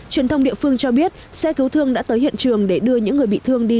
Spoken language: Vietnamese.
truyền thông địa phương cho biết xe cứu thương đã tới hiện trường để đưa những người bị thương đi